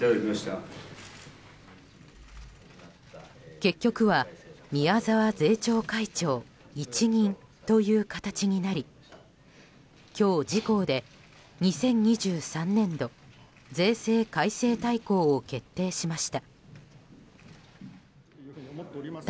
結局は宮沢税調会長一任という形になり今日、自公で２０２３年度税制改正大綱を決定しました。